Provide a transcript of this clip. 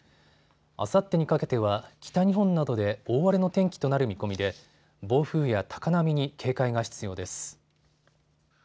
あさってにかけては北日本などで大荒れの天気となる見込みで暴風や高波に警戒が必要です。